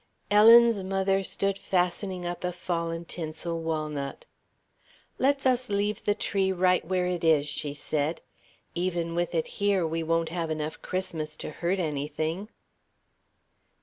Ellen's mother stood fastening up a fallen tinsel walnut. "Let's us leave the tree right where it is," she said. "Even with it here, we won't have enough Christmas to hurt anything."